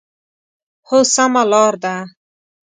هو، سمه لار ده